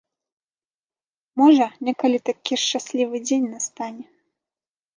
Можа, некалі такі шчаслівы дзень настане.